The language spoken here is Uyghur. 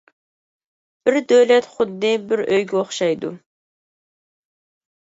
بىر دۆلەت خۇددى بىر ئۆيگە ئوخشايدۇ.